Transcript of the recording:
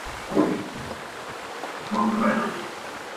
他死后和妻儿合葬在密歇根大学校园内。